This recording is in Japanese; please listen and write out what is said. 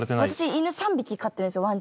私犬３匹飼ってるんですよ。